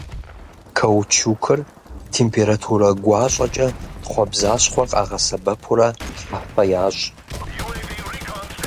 Каучукыр температурэ гуащӏэкӏэ тхъуэбзащхъуэр къагъэсэбэпурэ хьэфэ ящӏ.